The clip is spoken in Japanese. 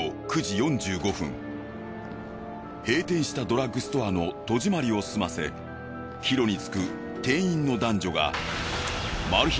閉店したドラッグストアの戸締まりを済ませ帰路につく店員の男女がマル秘